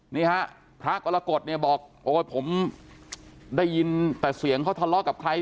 นี่ฮะพระกรกฎเนี่ยบอกโอ๊ยผมได้ยินแต่เสียงเขาทะเลาะกับใคร